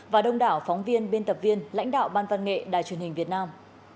và đông đảo phóng viên biên tập viên lãnh đạo ban văn nghệ đài truyền hình việt nam